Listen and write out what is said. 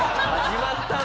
始まった。